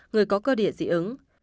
người có cơ địa dị ứng